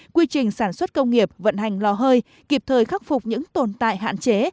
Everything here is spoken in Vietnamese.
quy trình sản xuất công nghiệp vận hành lò hơi kịp thời khắc phục những tồn tại hạn chế